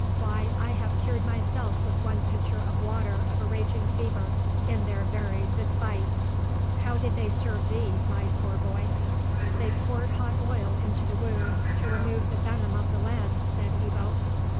Why, I have cured myself with one pitcher of water of a raging fever, in their very despite! How did they serve thee, my poor boy?" "They poured hot oil into the wound to remove the venom of the lead," said Ebbo.